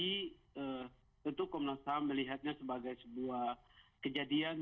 jadi itu komnas ham melihatnya sebagai sebuah kejadian